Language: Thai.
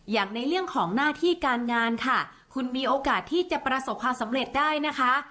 อย่างในเรื่องของหน้าที่การงานค่ะคุณมีโอกาสที่จะประสบความสำเร็จได้นะคะ